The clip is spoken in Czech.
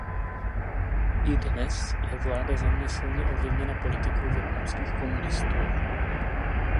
I dnes je vláda země silně ovlivněna politikou vietnamských komunistů.